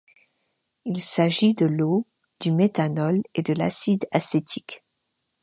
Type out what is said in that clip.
Il s'agit de l'eau, du méthanol ou de l'acide acétique.